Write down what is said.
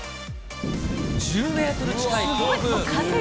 １０メートル近い強風。